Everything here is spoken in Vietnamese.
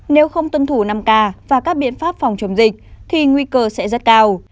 nếu không tuân thủ năm k và các biện pháp phòng chống dịch thì nguy cơ sẽ rất cao